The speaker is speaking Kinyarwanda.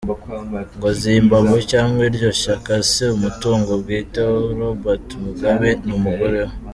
Ngo Zimbabwe cyangwa iryo shyaka si umutungo bwite wa Robert Mugabe n’umugore we.